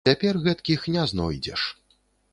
Цяпер гэткіх не знойдзеш.